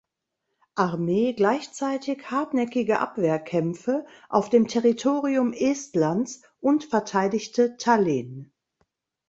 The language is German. Armee gleichzeitig hartnäckige Abwehrkämpfe auf dem Territorium Estlands und verteidigte Tallinn.